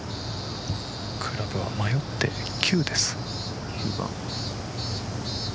クラブは迷って９です。